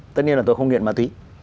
tất nhiên là tôi không nghiện ma túy